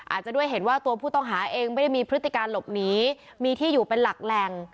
อาจจะด้วยเห็นว่าตัวผู้ต้องหาเองไม่ได้มีพฤติการหลบหนีมีที่อยู่เป็นหลักแหล่ง